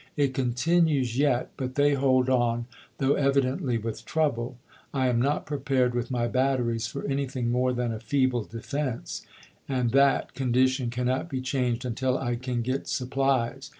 It continues yet, but they hold on, though evidently with trouble. .. I am not prepared with my batteries for anything more than a feeble defense, ... and that condition cannot be changed until I can get supplies.